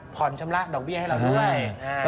ชำระดอกเบี้ยให้เราด้วย